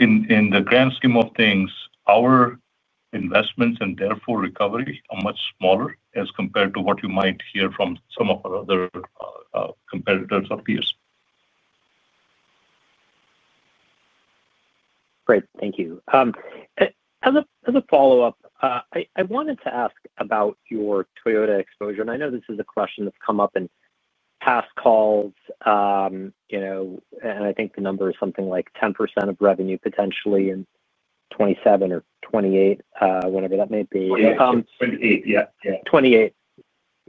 S2: In the grand scheme of things, our investments and therefore recovery are much smaller as compared to what you might hear from some of our other competitors or peers.
S6: Great. Thank you. As a follow-up, I wanted to ask about your Toyota exposure. I know this is a question that's come up in past calls, and I think the number is something like 10% of revenue potentially in 2027 or 2028, whenever that may be.
S3: Yeah.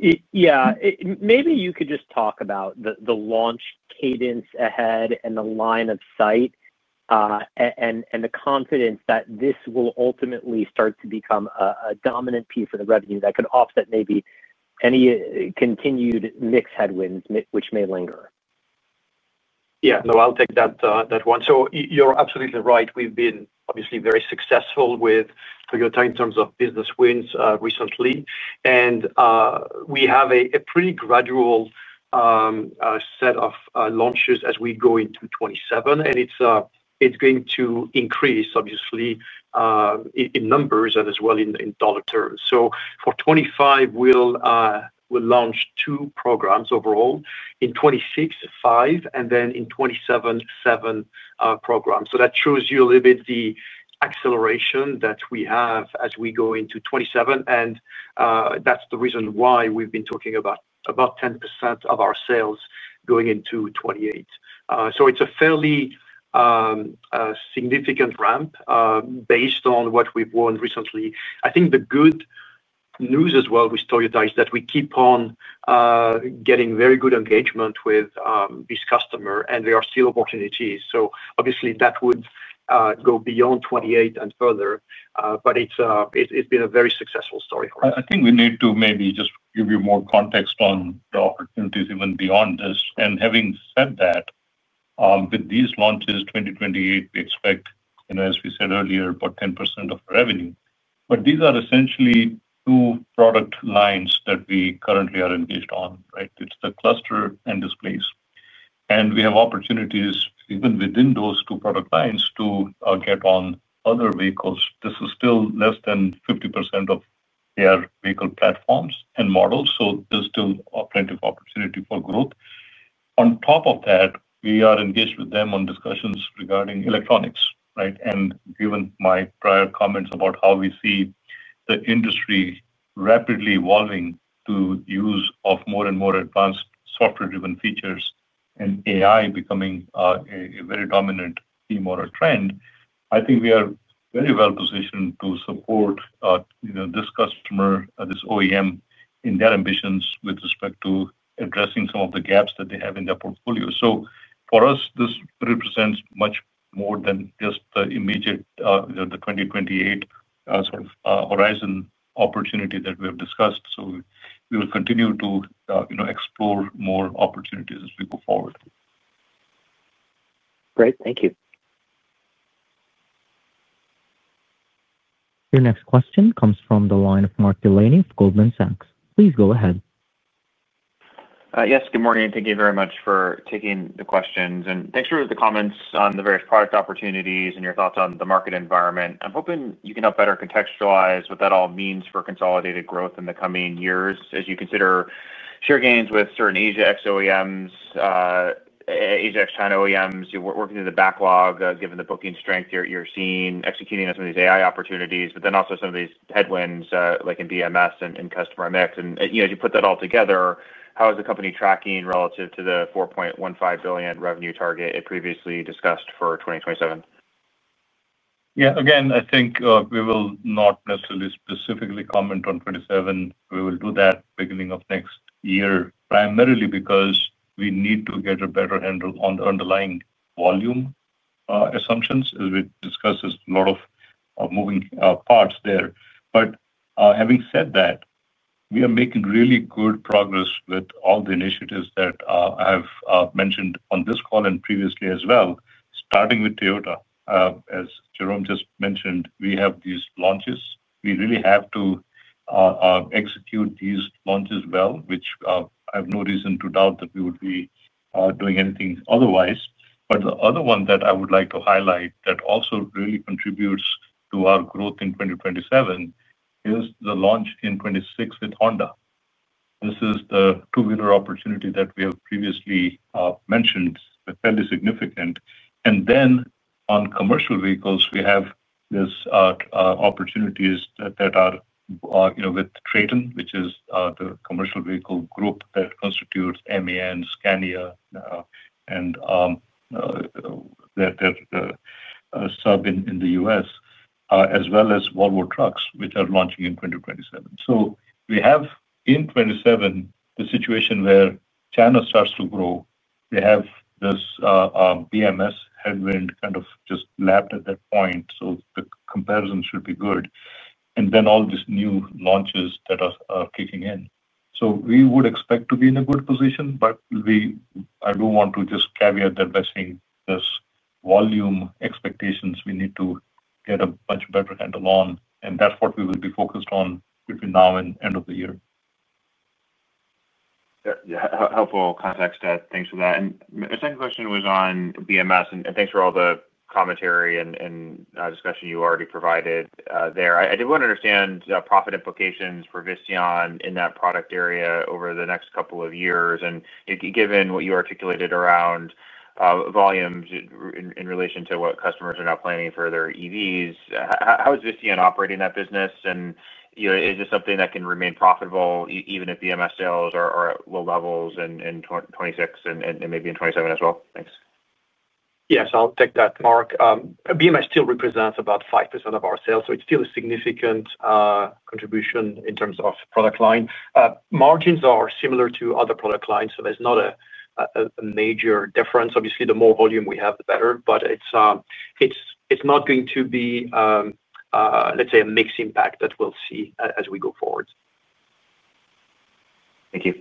S3: Yeah.
S6: Yeah. Maybe you could just talk about the launch cadence ahead and the line of sight and the confidence that this will ultimately start to become a dominant piece of the revenue that could offset maybe any continued mixed headwinds, which may linger.
S3: Yeah. I'll take that one. You're absolutely right. We've been obviously very successful with Toyota in terms of business wins recently. We have a pretty gradual set of launches as we go into 2027, and it's going to increase, obviously, in numbers and as well in dollar terms. For 2025, we'll launch two programs overall. In 2026, five, and then in 2027, seven programs. That shows you a little bit the acceleration that we have as we go into 2027, and that's the reason why we've been talking about about 10% of our sales going into 2028. It's a fairly significant ramp based on what we've won recently. I think the good news as well with Toyota is that we keep on getting very good engagement with this customer, and there are still opportunities. That would go beyond 2028 and further, but it's been a very successful story for us.
S2: I think we need to maybe just give you more context on the opportunities even beyond this. Having said that, with these launches in 2028, we expect, as we said earlier, about 10% of revenue. These are essentially two product lines that we currently are engaged on, right? It's the cluster and displays. We have opportunities even within those two product lines to get on other vehicles. This is still less than 50% of their vehicle platforms and models, so there's still plenty of opportunity for growth. On top of that, we are engaged with them on discussions regarding electronics, right? Given my prior comments about how we see the industry rapidly evolving to use of more and more advanced software-driven features and AI becoming a very dominant theme or a trend, I think we are very well positioned to support this customer, this OEM, in their ambitions with respect to addressing some of the gaps that they have in their portfolio. For us, this represents much more than just the immediate 2028 sort of horizon opportunity that we have discussed. We will continue to explore more opportunities as we go forward.
S6: Great. Thank you.
S4: Your next question comes from the line of Mark Delaney of Goldman Sachs. Please go ahead.
S7: Yes. Good morning. Thank you very much for taking the questions. Thank you for the comments on the various product opportunities and your thoughts on the market environment. I'm hoping you can help better contextualize what that all means for consolidated growth in the coming years as you consider share gains with certain [Asia-X OEMs], China OEMs. You're working through the backlog given the booking strength you're seeing, executing on some of these AI opportunities, but also some of these headwinds like in BMS and customer mix. As you put that all together, how is the company tracking relative to the $4.15 billion revenue target it previously discussed for 2027?
S2: Yeah. Again, I think we will not necessarily specifically comment on 2027. We will do that beginning of next year, primarily because we need to get a better handle on the underlying volume assumptions. As we discussed, there's a lot of moving parts there. Having said that, we are making really good progress with all the initiatives that I have mentioned on this call and previously as well, starting with Toyota. As Jerome just mentioned, we have these launches. We really have to execute these launches well, which I have no reason to doubt that we would be doing anything otherwise. The other one that I would like to highlight that also really contributes to our growth in 2027 is the launch in 2026 with Honda. This is the two-wheeler opportunity that we have previously mentioned, fairly significant. On commercial vehicles, we have these opportunities that are with Traton, which is the commercial vehicle group that constitutes MAN, Scania, and their sub in the U.S., as well as Volvo Trucks, which are launching in 2027. We have in 2027 the situation where China starts to grow. They have this BMS headwind kind of just lapped at that point, so the comparison should be good. All these new launches are kicking in. We would expect to be in a good position, but I do want to just caveat that by saying this volume expectations we need to get a much better handle on, and that's what we will be focused on between now and the end of the year.
S7: Yeah. Helpful context, there. Thanks for that. My second question was on BMS. Thanks for all the commentary and discussion you already provided there. I did want to understand profit implications for Visteon in that product area over the next couple of years. Given what you articulated around volumes in relation to what customers are now planning for their EVs, how is Visteon operating that business? Is this something that can remain profitable even if BMS sales are at low levels in 2026 and maybe in 2027 as well? Thanks.
S3: Yes. I'll take that, Mark. BMS still represents about 5% of our sales, so it's still a significant contribution in terms of product line. Margins are similar to other product lines, so there's not a major difference. Obviously, the more volume we have, the better, but it's not going to be, let's say, a mixed impact that we'll see as we go forward.
S7: Thank you.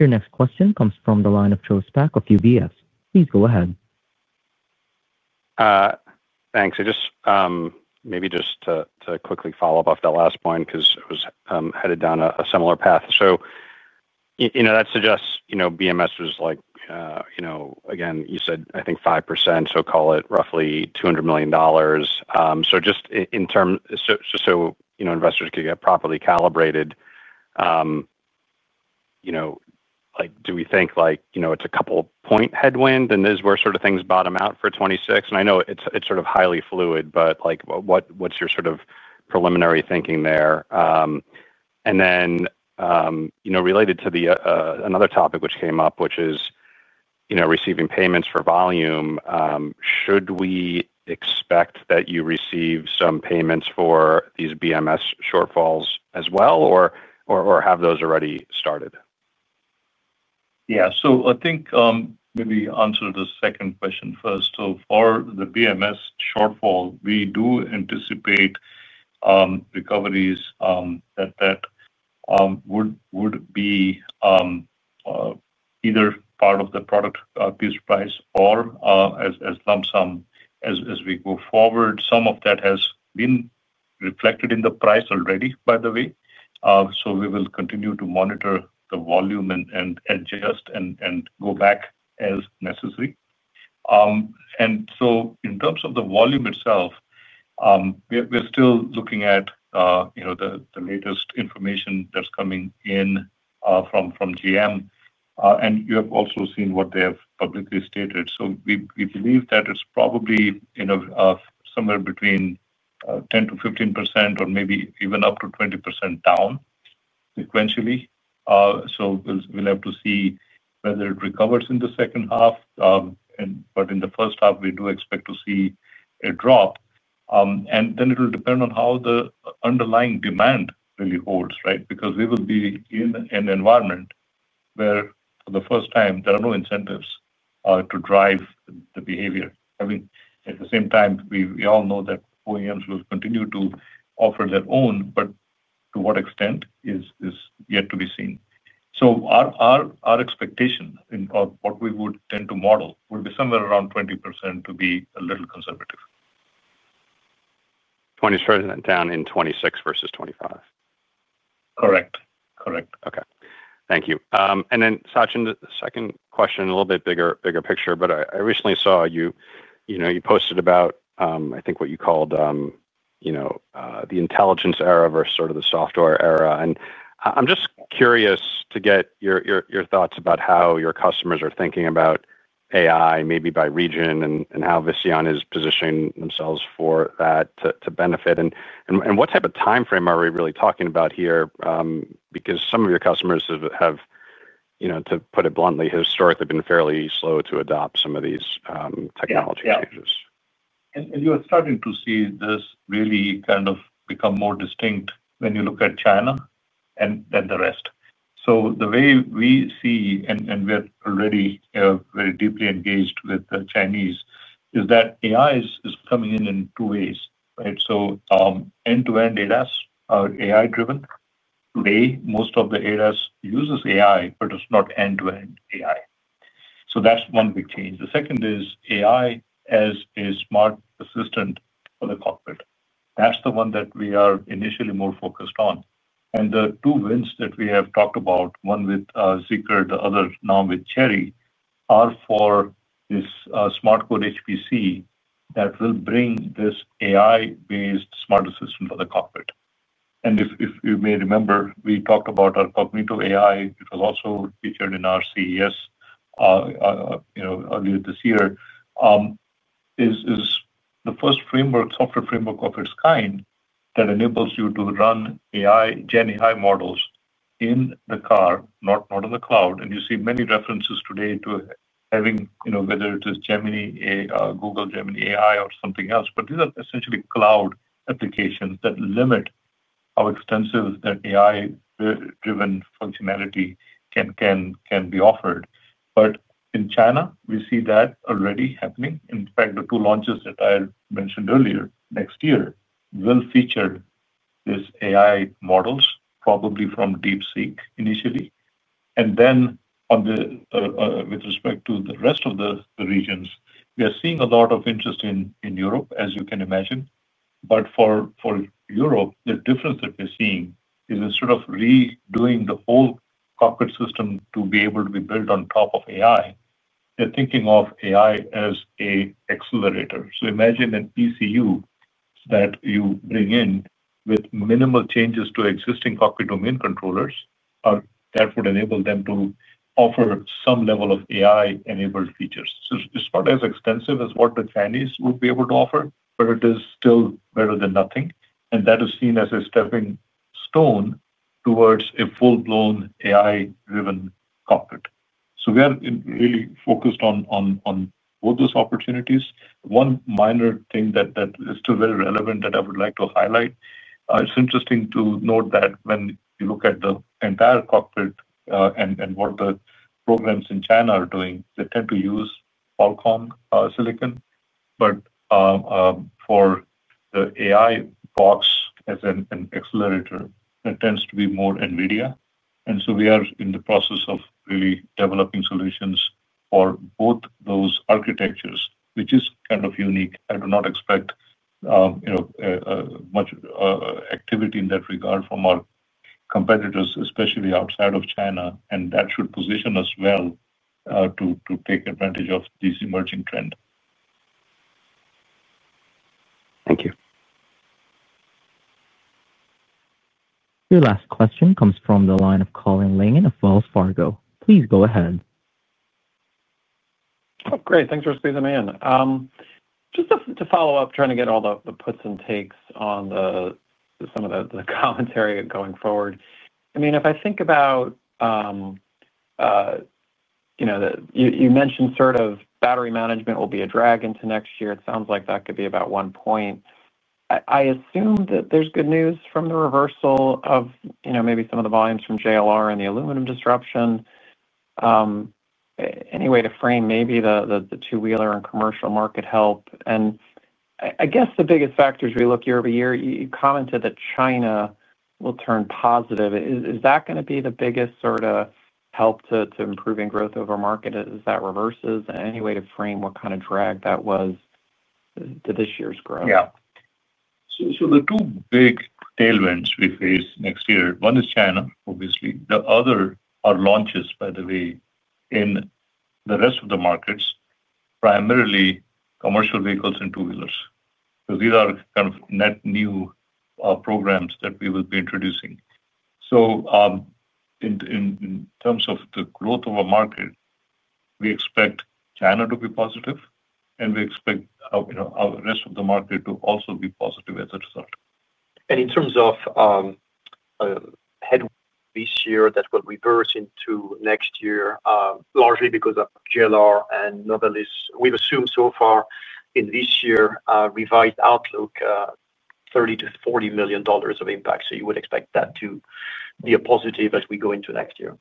S4: Your next question comes from the line of Joe Spak of UBS. Please go ahead.
S8: Thanks. Maybe just to quickly follow up off that last point because it was headed down a similar path. That suggests BMS was like, you know, again, you said, I think, 5%, so call it roughly $200 million. Just in terms so investors could get properly calibrated, do we think it's a couple-point headwind and this is where sort of things bottom out for 2026? I know it's sort of highly fluid, but what's your sort of preliminary thinking there? Related to another topic which came up, which is receiving payments for volume, should we expect that you receive some payments for these BMS shortfalls as well, or have those already started?
S2: I think maybe answer the second question first. For the BMS shortfall, we do anticipate recoveries that would be either part of the product piece price or as lump sum. As we go forward, some of that has been reflected in the price already, by the way. We will continue to monitor the volume and adjust and go back as necessary. In terms of the volume itself, we're still looking at the latest information that's coming in from GM. You have also seen what they have publicly stated. We believe that it's probably somewhere between 10%-15% or maybe even up to 20% down sequentially. We will have to see whether it recovers in the second half. In the first half, we do expect to see a drop. It'll depend on how the underlying demand really holds, right? We will be in an environment where, for the first time, there are no incentives to drive the behavior. At the same time, we all know that OEMs will continue to offer their own, but to what extent is yet to be seen. Our expectation of what we would tend to model would be somewhere around 20% to be a little conservative.
S8: 20% down in 2026 versus 2025.
S2: Correct. Correct.
S8: Okay. Thank you. Sachin, the second question, a little bit bigger picture, but I recently saw you posted about, I think, what you called the intelligence era versus sort of the software era. I'm just curious to get your thoughts about how your customers are thinking about AI, maybe by region, and how Visteon is positioning themselves for that to benefit. What type of timeframe are we really talking about here? Some of your customers have, to put it bluntly, historically been fairly slow to adopt some of these technology changes.
S2: Yeah. You are starting to see this really kind of become more distinct when you look at China and the rest. The way we see, and we are already very deeply engaged with the Chinese, is that AI is coming in in two ways, right? End-to-end ADAS are AI-driven. Today, most of the ADAS uses AI, but it's not end-to-end AI. That's one big change. The second is AI as a smart assistant for the cockpit. That's the one that we are initially more focused on. The two wins that we have talked about, one with Zeekr, the other now with Chery, are for this SmartCore HPC that will bring this AI-based smart assistant for the cockpit. If you may remember, we talked about our Cognito AI, which was also featured in our CES earlier this year, it is the first software framework of its kind that enables you to run AI Gen AI models in the car, not in the cloud. You see many references today to having, you know, whether it is Gemini, Google Gemini AI, or something else. These are essentially cloud applications that limit how extensive the AI-driven functionality can be offered. In China, we see that already happening. In fact, the two launches that I mentioned earlier, next year, will feature these AI models, probably from DeepSeek initially. With respect to the rest of the regions, we are seeing a lot of interest in Europe, as you can imagine. For Europe, the difference that we're seeing is instead of redoing the whole cockpit system to be able to be built on top of AI, they're thinking of AI as an accelerator. Imagine an ECU that you bring in with minimal changes to existing cockpit domain controllers, or therefore, enable them to offer some level of AI-enabled features. It's not as extensive as what the Chinese would be able to offer, but it is still better than nothing. That is seen as a stepping stone towards a full-blown AI-driven cockpit. We are really focused on all those opportunities. One minor thing that is still very relevant that I would like to highlight, it's interesting to note that when you look at the entire cockpit and what the programs in China are doing, they tend to use Qualcomm silicon. For the AI box as an accelerator, it tends to be more NVIDIA. We are in the process of really developing solutions for both those architectures, which is kind of unique. I do not expect much activity in that regard from our competitors, especially outside of China. That should position us well to take advantage of this emerging trend.
S8: Thank you.
S4: Your last question comes from the line of Colin Langan of Wells Fargo. Please go ahead.
S9: Oh, great. Thanks for squeezing me in. Just to follow up, trying to get all the puts and takes on some of the commentary going forward. I mean, if I think about you mentioned sort of battery management will be a drag into next year. It sounds like that could be about one point. I assume that there's good news from the reversal of maybe some of the volumes from JLR and the aluminum disruption. Any way to frame maybe the two-wheeler and commercial market help? I guess the biggest factors, we look year-over-year, you commented that China will turn positive. Is that going to be the biggest sort of help to improving growth of our market as that reverses? Any way to frame what kind of drag that was to this year's growth?
S2: Yeah. The two big tailwinds we face next year, one is China, obviously. The other are launches, by the way, in the rest of the markets, primarily commercial vehicles and two-wheelers. These are kind of net new programs that we will be introducing. In terms of the growth of our market, we expect China to be positive, and we expect our rest of the market to also be positive as a result.
S3: In terms of headwinds this year that will reverse into next year, largely because of JLR and Novelis, we've assumed so far in this year a revised outlook, $30 million-$40 million of impact. You would expect that to be a positive as we go into next year.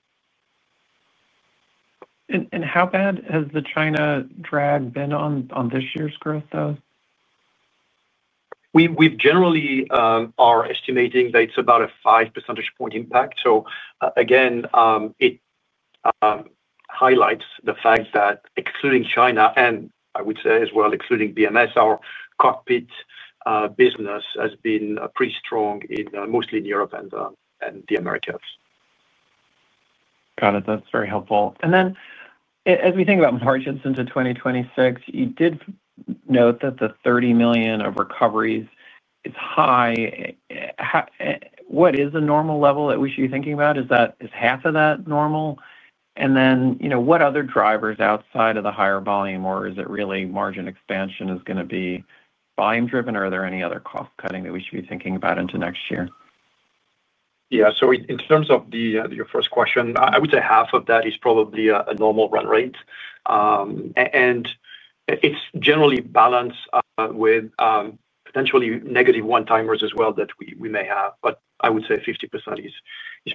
S9: How bad has the China drag been on this year's growth, though?
S3: We generally are estimating that it's about a 5-sh percent impact. It highlights the fact that, excluding China and I would say as well, excluding BMS, our cockpit business has been pretty strong mostly in Europe and the Americas.
S9: Got it. That's very helpful. As we think about margins into 2026, you did note that the $30 million of recoveries is high. What is a normal level that we should be thinking about? Is that half of that normal? You know, what Other drivers outside of the higher volume? Is it really margin expansion is going to be volume-driven, or are there any other cost-cutting that we should be thinking about into next year?
S2: Yeah. In terms of your first question, I would say half of that is probably a normal run rate. It's generally balanced with potentially negative one-timers as well that we may have. I would say 50% is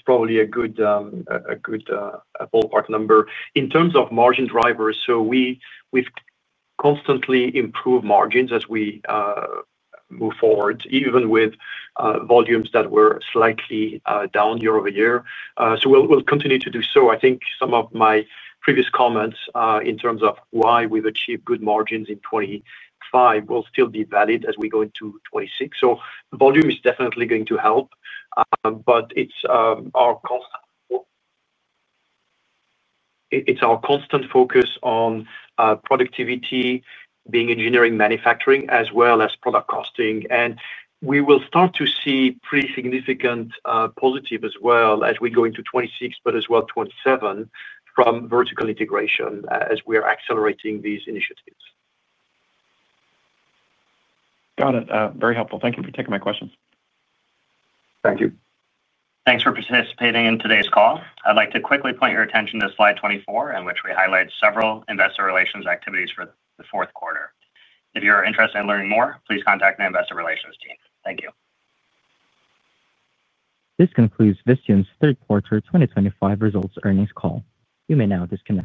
S2: probably a good ballpark number. In terms of margin drivers, we've constantly improved margins as we move forward, even with volumes that were slightly down year-over-year. We'll continue to do so. I think some of my previous comments in terms of why we've achieved good margins in 2025 will still be valid as we go into 2026. Volume is definitely going to help. It's our constant focus on productivity, being engineering, manufacturing, as well as product costing. We will start to see pretty significant positives as we go into 2026, as well as 2027, from vertical integration as we are accelerating these initiatives.
S9: Got it. Very helpful. Thank you for taking my questions.
S2: Thank you.
S3: Thanks for participating in today's call. I'd like to quickly point your attention to slide 24, in which we highlight several investor relations activities for the fourth quarter. If you're interested in learning more, please contact the Investor Relations team. Thank you.
S4: This concludes Visteon's third quarter 2025 results earnings call. You may now discuss.